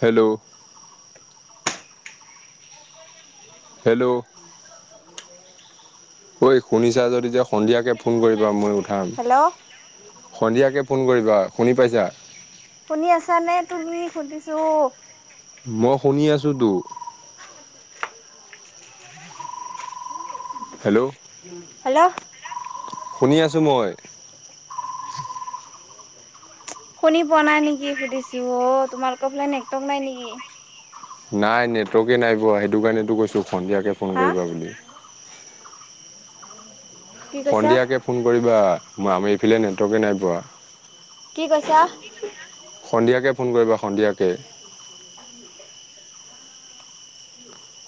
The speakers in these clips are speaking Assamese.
হেল্ল'? [unintelligible] হেল্ল'? ঐ শুনিছা যদি সন্ধিয়াকে ফোন কৰিবা মই উঠাম। হেল্ল' সন্ধিয়াকৈ ফোন কৰিবা, শুনি পাইছা? শুনি আছানে তুমি সুধিছো? মই শুনি আছোতো। [unintelligible] হেল্ল'? হেল্ল' শুনি আছোঁ মই। [unintelligible] শুনি পোৱা নাই নেকি সুধিছো অ', তোমালোকৰ ফালে নেটৱৰ্ক নাই নেকি? নাই নেটৱৰ্কে নাই পোৱা, সেইটো কাৰণে কৈছো সন্ধিয়াকে ফোন কৰিবা বুলি। হয় [unintelligible] সন্ধিয়াকৈ ফোন কৰিবা, আমি এইফালে নেটৱৰ্কে নাই পোৱা। কি কৈছা? সন্ধিয়াকে ফোন কৰিবা সন্ধিয়াকে।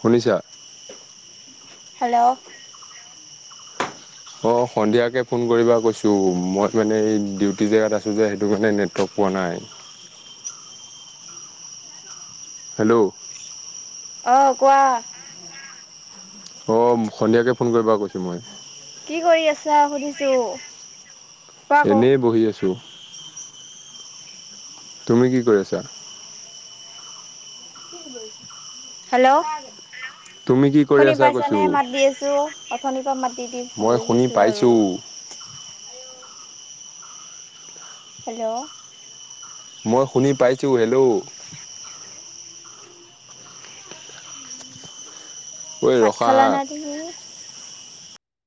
শুনিছা? হেল্ল'? অ' সন্ধিয়াকে ফোন কৰিবা কৈছো মই মানে ডিউটি জেগাত আছো। টো যে সেইটো কাৰণে নেটৱৰ্ক পোৱা নাই। হেল্ল'? অ' কোৱা? অ' সন্ধিয়াকে ফোন কৰিবা কৈছো মই। কি কৰি আছা সুধিছো? কোৱা আকৌ এনেই বহি আছো। তুমি কি কৰি আছা? হেল্ল' তুমি কি কৰি শুনি আছা পাইছা কৈছো নে মাত দি আছো? অথনি পা মাত মই শুনি পাইছোঁ। হেল্ল'? মই শুনি পাইছোঁ, হেল্ল'? ঐ ভাত ৰখা হা খালা না তুমি?